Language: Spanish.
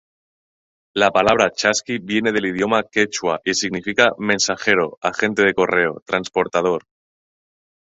La palabra chasqui viene del idioma quechua, y significa "mensajero, agente de correo, transportador".